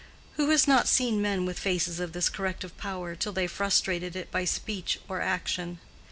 (Who has not seen men with faces of this corrective power till they frustrated it by speech or action?)